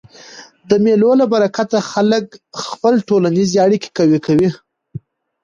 د مېلو له برکته خلک خپلي ټولنیزي اړیکي قوي کوي.